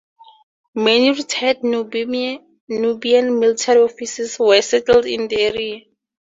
Many retired Nubian military officers were settled in the area.